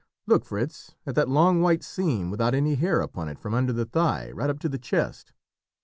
"Look, Fritz, at that long white seam without any hair upon it from under the thigh right up to the chest.